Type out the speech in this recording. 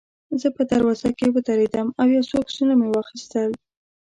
زه په دروازه کې ودرېدم او یو څو عکسونه مې واخیستل.